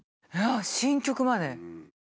新曲まで。